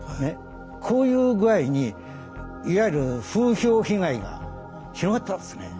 こういう具合にいわゆる風評被害が広がったんですね。